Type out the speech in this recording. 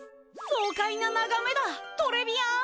爽快な眺めだトレビアーン！